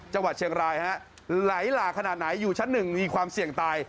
จังหวัดเชียงรายฮะไหลหลากขนาดไหนอยู่ชั้นหนึ่งมีความเสี่ยงตาย